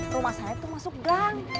rumah saya itu masuk gang